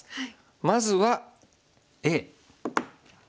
まずはＡ。